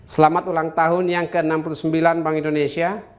selamat ulang tahun yang ke enam puluh sembilan bank indonesia